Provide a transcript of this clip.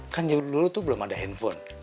kan dulu tuh belum ada handphone